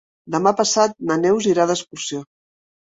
Demà passat na Neus irà d'excursió.